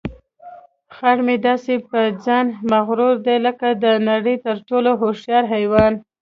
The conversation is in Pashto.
خر مې داسې په ځان مغروره دی لکه د نړۍ تر ټولو هوښیار حیوان.